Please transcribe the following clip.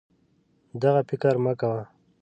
دغه فکر مه کوه